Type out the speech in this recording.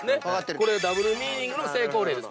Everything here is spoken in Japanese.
ダブルミーニングの成功例です